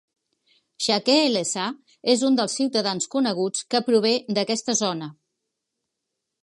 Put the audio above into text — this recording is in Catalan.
Shakeel Essa és un dels ciutadans coneguts que prové d'aquesta zona.